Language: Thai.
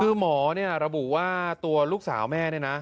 คือหมอเนี่ยระบุว่าตัวลูกสาวแม่เนี่ยนะ